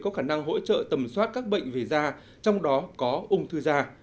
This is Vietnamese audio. có khả năng hỗ trợ tầm soát các bệnh về da trong đó có ung thư da